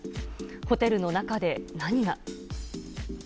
ホテルの中で何が。